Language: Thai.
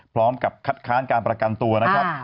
พร้อมกับคัดค้านการประกันตัวนะครับ